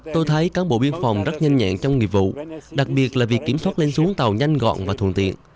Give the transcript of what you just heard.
tôi thấy cán bộ biên phòng rất nhanh nhẹn trong nghiệp vụ đặc biệt là việc kiểm soát lên xuống tàu nhanh gọn và thuận tiện